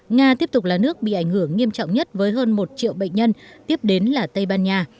nga tiếp tục là nước bị ảnh hưởng nghiêm trọng nhất với hơn một triệu bệnh nhân tiếp đến là tây ban nha